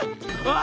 あ！